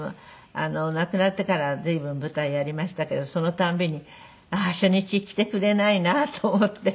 亡くなってから随分舞台やりましたけどその度にああー初日来てくれないなと思って。